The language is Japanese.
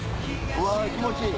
うわ気持ちいい！